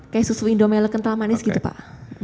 kayak susu indomela kental manis gitu pak